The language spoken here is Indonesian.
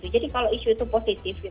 jadi kalau isu itu positif